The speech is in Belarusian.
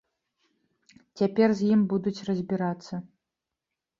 Цяпер з ім будуць разбірацца.